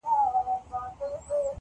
o د کهول یو غړی تنها مات کړي,